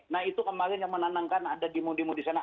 nah itu kemarin yang menenangkan ada demo demo di sana